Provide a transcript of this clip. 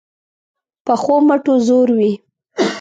پخو مټو زور وي